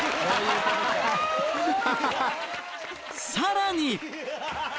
さらに！